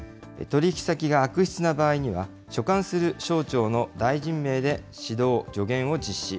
取り引き先が悪質な場合には、所管する省庁の大臣名で指導・助言を実施。